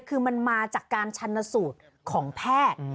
คือมันมาจากการชันสูตรของแพทย์